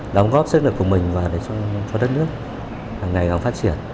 đóng góp sức lực của mình và để cho đất nước ngày càng phát triển